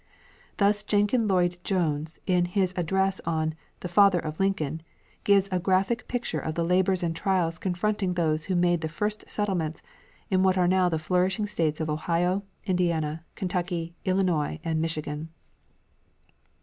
Thus Jenkin Lloyd Jones, in his address on "The Father of Lincoln," gives a graphic picture of the labours and trials confronting those who made the first settlements in what are now the flourishing states of Ohio, Indiana, Kentucky, Illinois, and Michigan.